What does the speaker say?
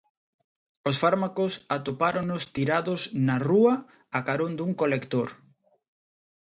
Os fármacos atopáronos tirados na rúa a carón dun colector.